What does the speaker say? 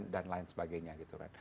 dan lain sebagainya gitu